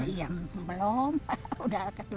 iya belum udah keseluruhan tahun